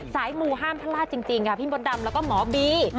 มูห้ามพลาดจริงค่ะพี่มดดำแล้วก็หมอบี